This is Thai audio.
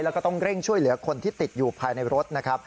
แล้วก็ต้องเร่งช่วยเหลือคนที่ติดอยู่ภายในรถนะครับ